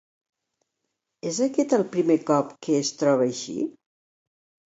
És aquest el primer cop que es troba així?